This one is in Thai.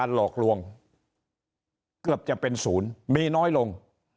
หลอกลวงเกือบจะเป็นศูนย์มีน้อยลง